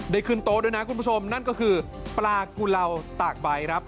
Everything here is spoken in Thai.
ได้ขึ้นโต๊ะด้วยนะคุณผู้ชมนั่นก็คือปลากุเลาตากใบครับ